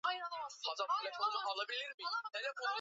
siku hii ya iddul al haj sisi nachinja mbuzi nachinja ngamia